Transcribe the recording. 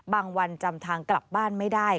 วันจำทางกลับบ้านไม่ได้